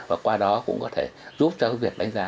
và qua đó cũng có thể giúp cho việc đánh giá